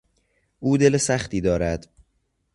او دل سختی دارد.